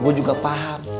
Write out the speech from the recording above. gue juga paham